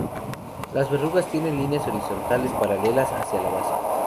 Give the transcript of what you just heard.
Las verrugas tienen líneas horizontales paralelas hacia la base.